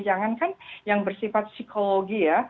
jangankan yang bersifat psikologi ya